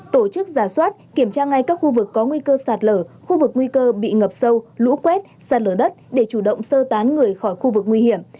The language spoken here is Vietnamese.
tổ chức giả soát kiểm tra ngay các khu vực có nguy cơ sạt lở khu vực nguy cơ bị ngập sâu lũ quét sạt lở đất để chủ động sơ tán người khỏi khu vực nguy hiểm